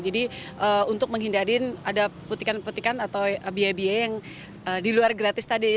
jadi untuk menghindari ada putikan putikan atau biaya biaya yang di luar gratis tadi